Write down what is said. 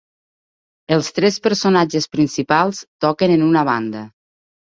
Els tres personatges principals toquen en una banda.